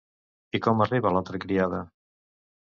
I com arriba l'altra criada?